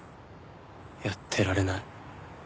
やってられない。